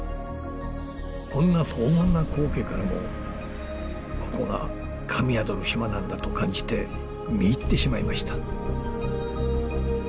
こんな荘厳な光景からもここが神宿る島なんだと感じて見入ってしまいました。